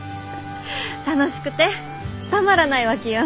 楽しくてたまらないわけよ。